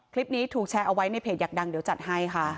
คลิปนี้ถูกแชร์เอาไว้ในเพจอยากดังเดี๋ยวจัดให้ค่ะ